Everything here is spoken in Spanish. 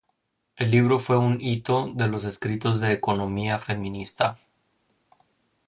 El libro fue un hito en los escritos de economía feminista.